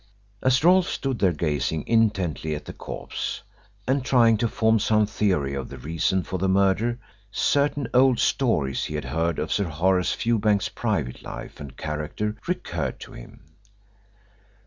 As Rolfe stood there gazing intently at the corpse, and trying to form some theory of the reason for the murder, certain old stories he had heard of Sir Horace Fewbanks's private life and character recurred to him.